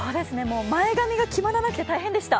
前髪が決まらなくて大変でした。